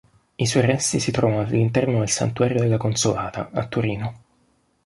I suoi resti si trovano all'interno del Santuario della Consolata, a Torino.